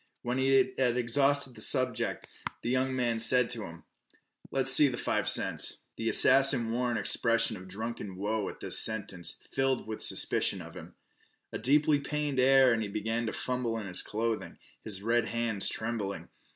When he had exhausted the subject, the young man said to him: "Let's see th' five cents." The assassin wore an expression of drunken woe at this sentence, filled with suspicion of him. With a deeply pained air he began to fumble in his clothing, his red hands trembling.